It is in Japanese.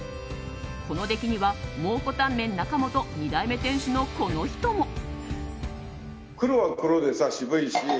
この出来には蒙古タンメン中本２代目店主のこの人も。